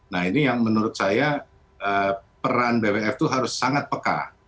nah ini yang menurut saya peran bwf itu harus sangat peka